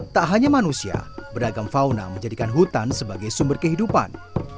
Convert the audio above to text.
tak hanya manusia beragam fauna menjadikan hutan sebagai sumber kehidupan